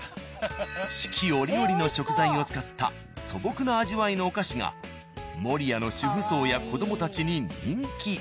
四季折々の食材を使った素朴な味わいのお菓子が守谷の主婦層や子供たちに人気。